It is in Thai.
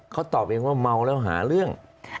เขาตอบเองว่าเมาแล้วหาเรื่อง